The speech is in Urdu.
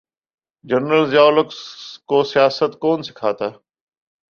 جنرل ضیاء الحق کو سیاست کون سکھاتا۔